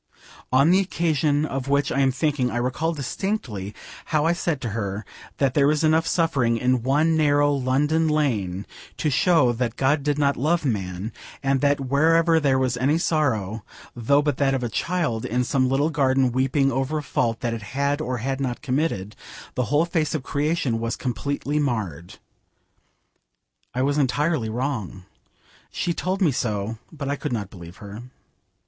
On the occasion of which I am thinking I recall distinctly how I said to her that there was enough suffering in one narrow London lane to show that God did not love man, and that wherever there was any sorrow, though but that of a child, in some little garden weeping over a fault that it had or had not committed, the whole face of creation was completely marred. I was entirely wrong. She told me so, but I could not believe her.